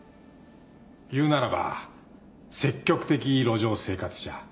いうならば積極的路上生活者。